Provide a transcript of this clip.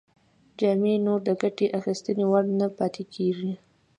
جامې نور د ګټې اخیستنې وړ نه پاتې کیږي.